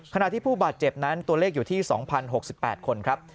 ขณะที่ผู้บาดเจ็บนั้นตัวเลขอยู่ที่๒๐๖๘คนครับ